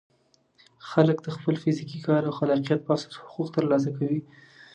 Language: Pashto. خلک د خپل فزیکي کار او خلاقیت په اساس حقوق ترلاسه کوي.